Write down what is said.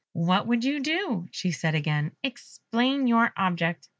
"What would you?" she said again. "Explain your object."